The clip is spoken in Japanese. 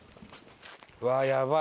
うわっやばい。